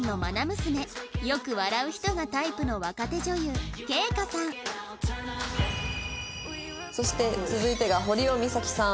よく笑う人がタイプの若手女優圭叶さんそして続いてが堀尾実咲さん。